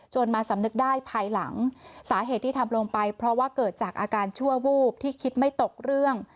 มาสำนึกได้ภายหลังสาเหตุที่ทำลงไปเพราะว่าเกิดจากอาการชั่ววูบที่คิดไม่ตกเรื่อง